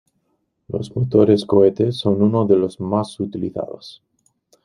Los motores cohete son uno de los más utilizados.